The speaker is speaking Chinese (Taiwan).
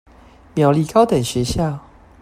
苗栗高等學校